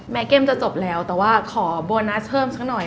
เกมจะจบแล้วแต่ว่าขอโบนัสเพิ่มสักหน่อย